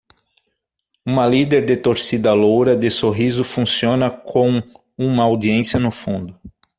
Uma líder de torcida loura de sorriso funciona com uma audiência no fundo.